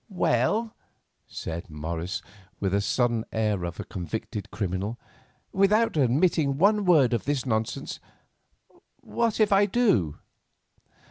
"Well," said Morris, with the sullen air of a convicted criminal, "without admitting one word of this nonsense, what if I do?"